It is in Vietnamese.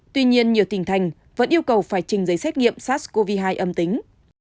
tuy nhiên nhiều tỉnh thành vẫn yêu cầu phải trình giấy xét nghiệm sars cov hai âm tính